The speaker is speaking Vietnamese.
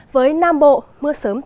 với nam bộ mưa sớm